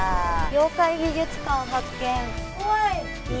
妖怪美術館、発見。